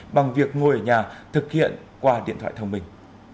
bằng việc ngồi ở nhà thực hiện qua điện thoại thông minh